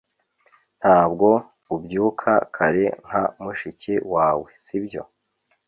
Ntabwo ubyuka kare nka mushiki wawe sibyo